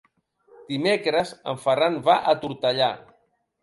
Dimecres en Ferran va a Tortellà.